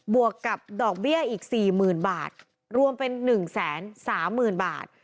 วกกับดอกเบี้ยอีก๔๐๐๐บาทรวมเป็น๑๓๐๐๐บาท